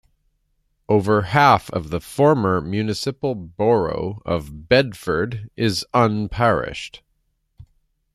Over half of the former municipal borough of Bedford is unparished.